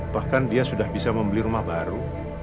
bahkan dia sudah bisa membeli rumah baru